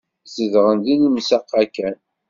Zedɣen deg lemsaq-a kan.